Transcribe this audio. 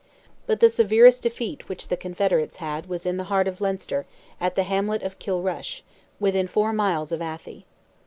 But the severest defeat which the Confederates had was in the heart of Leinster, at the hamlet of Kilrush, within four miles of Athy.